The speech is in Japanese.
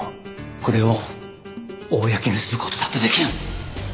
これを公にする事だって出来る！